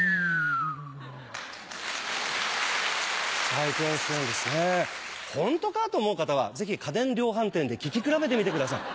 サイクロン式なんですね「ホントか？」と思う方はぜひ家電量販店で聞き比べてみてください。